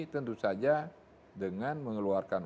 tentu saja dengan mengeluarkan